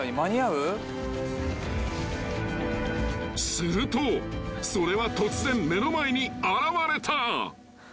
［するとそれは突然目の前に現れた］